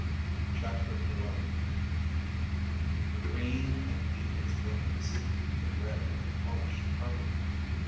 CHAPTER IX The green of beetles' wings ... the red of polished carbuncle